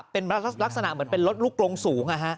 เป็นลักษณะเหมือนเป็นรถลูกลงสูง